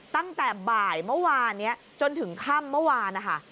ตั้งแต่บ่ายเมื่อวานนี้จนถึงค่ำเมื่อวานนะคะ